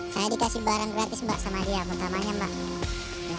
saya dikasih barang gratis mbak sama dia utamanya mbak